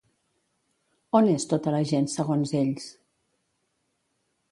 On és tota la gent, segons ells?